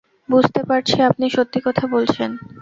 বুঝতে পারছি আপনি সত্যি কথা বলছেন।